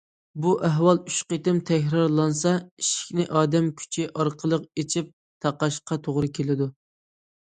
بۇ ئەھۋال ئۈچ قېتىم تەكرارلانسا، ئىشىكنى ئادەم كۈچى ئارقىلىق ئېچىپ تاقاشقا توغرا كېلىدۇ.